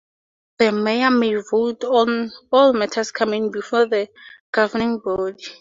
The mayor may vote on all matters coming before the governing body.